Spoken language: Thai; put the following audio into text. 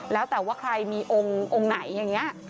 แล้วแต่ว่าใครมีองค์ไหนอย่างนี้